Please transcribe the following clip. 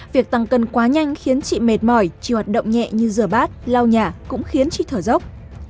việc tăng cân quá nhanh khiến trị mệt mỏi trị hoạt động nhẹ như rửa bát lau nhà cũng khiến trị thở dốc